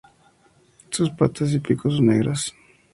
Sus patas y pico son negras.